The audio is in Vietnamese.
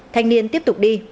thanh niên tiếp tục đi